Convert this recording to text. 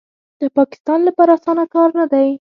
د پاکستان لپاره اسانه کار نه دی